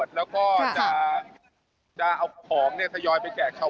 บ้านในอ่าว